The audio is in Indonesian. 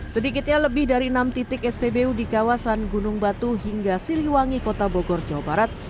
sedikitnya lebih dari enam titik spbu di kawasan gunung batu hingga siliwangi kota bogor jawa barat